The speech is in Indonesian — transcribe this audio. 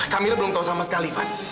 kamila belum tahu sama sekali van